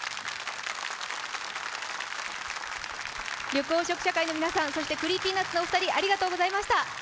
緑黄色社会の皆さん、ＣｒｅｅｐｙＮｕｔｓのお二人、ありがとうございました。